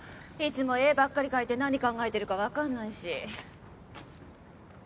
いつも絵ばっかり描いて何考えてるかわかんないし。